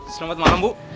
selamat malam bu